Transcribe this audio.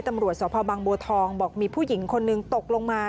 ตำรวจสพบังบัวทองบอกมีผู้หญิงคนนึงตกลงมา